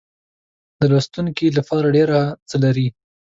د لوستونکو لپاره ډېر څه لري.